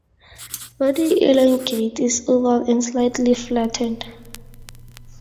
Body elongate is oval and slightly flattened.